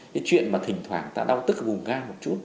cái chuyện mà thỉnh thoảng ta đau tức vùng gan một chút